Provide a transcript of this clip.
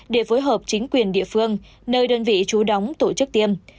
để phối hợp chính quyền địa phương nơi đơn vị chú đóng tổ chức tiêm